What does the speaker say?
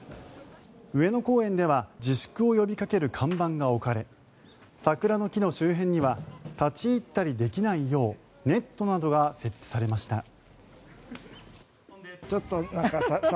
上野公園では自粛を呼びかける看板が置かれ桜の木の周辺には立ち入ったりできないようネットなどが設置されました。